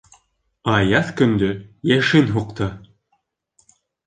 Аяҙ көндө йәшен һуҡты.